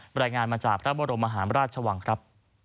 รายงานมาจากพระบรมมหาราชวังครับ